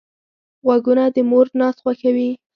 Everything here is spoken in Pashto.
غوږونه د مور ناز خوښوي